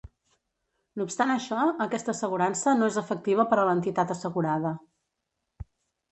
No obstant això, aquesta assegurança no és efectiva per a l'entitat assegurada.